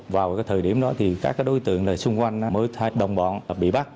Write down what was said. vào thời điểm đó các đối tượng xung quanh mới thay đồng bọn bị bắt